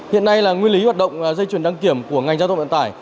hiện nay là nguyên lý hoạt động dây chuyển đăng kiểm của ngành giao thông vận tải